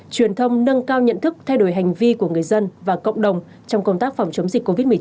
truyền thông nâng cao nhận thức thay đổi hành vi của người dân và cộng đồng trong công tác phòng chống dịch covid một mươi chín